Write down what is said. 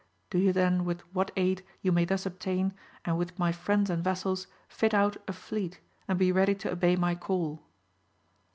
Do you then with what aid you may thus obtain, and with my friends and vassals, fit out a fleet, and be ready to obey my call.